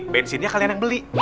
bensinnya kalian yang beli